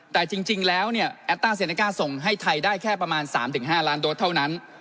แต่จริงแล้วเนี่ยแอตต้าเซเนก้าส่งให้ไทยได้แค่ประมาณ๓๕ล้านโดสเท่านั้น